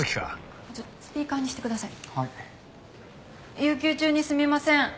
有休中にすみません。